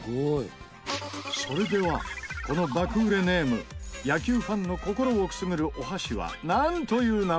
それではこの爆売れネーム野球ファンの心をくすぐるお箸はなんという名前でしょう？